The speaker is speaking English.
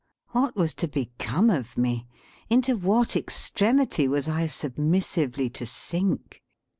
What was to become of me? Into what extremity was I submissively to sink?